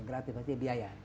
yang kreatif saja biaya